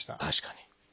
確かに。